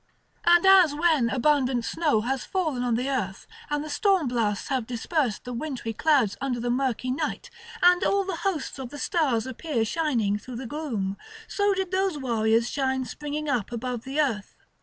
And as when abundant snow has fallen on the earth and the storm blasts have dispersed the wintry clouds under the murky night, and all the hosts of the stars appear shining through the gloom; so did those warriors shine springing up above the earth.